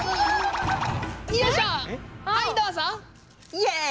イエイ！